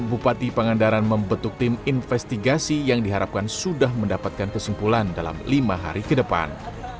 bupati pangandaran membentuk tim investigasi yang diharapkan sudah mendapatkan kesimpulan dalam lima hari ke depan